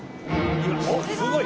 おっすごい！